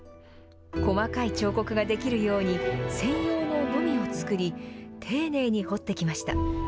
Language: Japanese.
細かい彫刻ができるように専用ののみをつくり丁寧に彫ってきました。